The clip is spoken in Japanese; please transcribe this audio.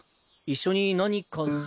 一緒に何かし。